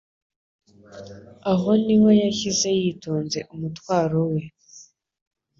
Aho niho yashyize yitonze umutwaro we